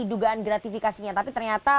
dugaan gratifikasinya tapi ternyata